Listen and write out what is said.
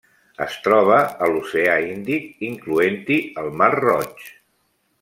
Es troba a l'Oceà Índic, incloent-hi el Mar Roig.